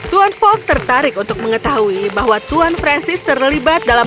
tuan fogg tertarik untuk mengetahui bahwa tuan francis terlibat dalam